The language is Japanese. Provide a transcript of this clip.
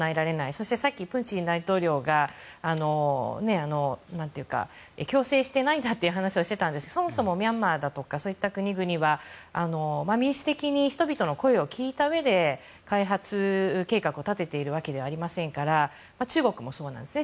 そして、さっきプーチン大統領が強制していないという話をしていたんですがそもそもミャンマーだとかそういった国々は民主的に人々の声を聞いたうえで開発計画を立てているわけではありませんから中国もそうなんですね。